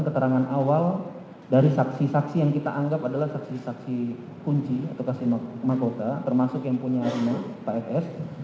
keterangan awal dari saksi saksi yang kita anggap adalah saksi saksi kunci atau mahkota termasuk yang punya pak fs